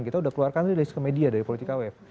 kita sudah keluarkan list media dari politika web